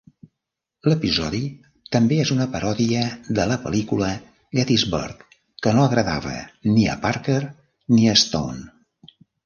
L'episodi també és una paròdia de la pel·lícula "Gettysburg", que no agradava ni a Parker ni a Stone.